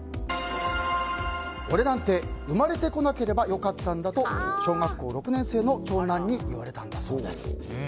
俺なんて生まれてこなければよかったんだと小６の長男に言われたんだそうです。